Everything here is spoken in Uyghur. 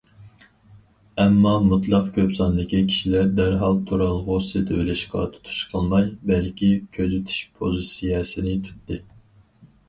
ئەمما مۇتلەق كۆپ ساندىكى كىشىلەر دەرھال تۇرالغۇ سېتىۋېلىشقا تۇتۇش قىلماي، بەلكى كۆزىتىش پوزىتسىيەسىنى تۇتتى.